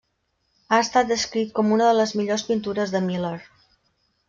Ha estat descrit com una de les millors pintures de Miller.